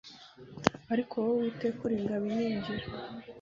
Ariko wowe uwiteka uringabo inkingira